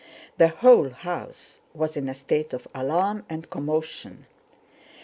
The whole house was in a state of alarm and commotion.